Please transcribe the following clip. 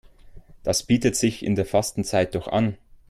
Das bietet sich in der Fastenzeit doch an.